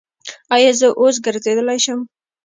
ایا زه اوس ګرځیدلی شم؟